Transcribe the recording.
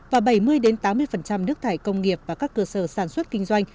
và bảy mươi tám mươi nước thải công nghiệp và các cơ sở sản xuất kinh doanh